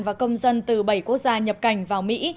và công dân từ bảy quốc gia nhập cảnh vào mỹ